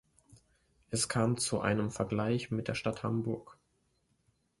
Es kam zu einem Vergleich mit der Stadt Hamburg.